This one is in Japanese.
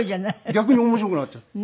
逆に面白くなっちゃって。